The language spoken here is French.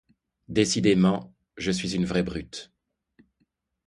Décidément, je suis une vraie brute.